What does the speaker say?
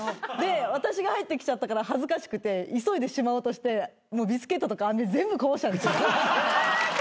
で私が入ってきちゃったから恥ずかしくて急いでしまおうとしてビスケットとかあめ全部こぼしたんですよ。